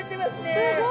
すごい。